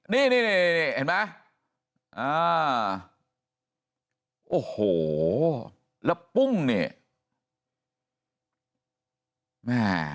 นี่เห็นมั้ยโอ้โหแล้วปุ้งเนี่ย